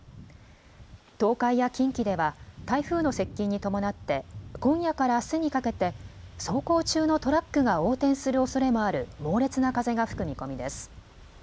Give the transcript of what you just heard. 東海や近畿では台風の接近に伴って今夜からあすにかけて走行中のトラックが横転するおそれもある猛烈な風が吹く見込みです。